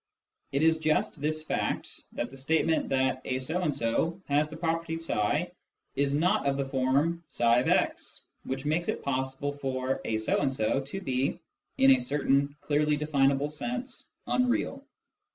It is just this fact, that the statement that a so and so has the property tfi is not of the form ifix, which makes it possible for " a so and so " to be, in a certain clearly definable sense, " unreal."